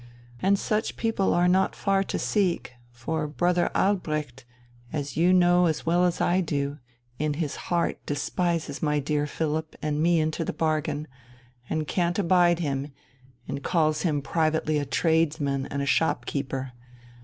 And such people are not far to seek, for brother Albrecht, as you know as well as I do, in his heart despises my dear Philipp and me into the bargain, and can't abide him, and calls him privately a tradesman and shopkeeper.